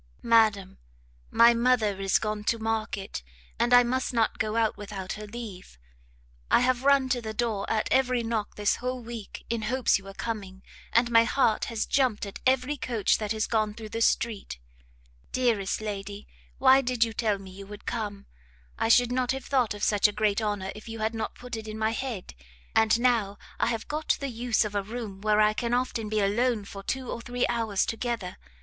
Madam, My mother is gone to market, and I must not go out without her leave; I have run to the door at every knock this whole week in hopes you were coming, and my heart has jumpt at every coach that has gone through the street. Dearest lady, why did you tell me you would come? I should not have thought of such a great honour if you had not put it in my head. And now I have got the use of a room where I can often be alone for two or three hours together.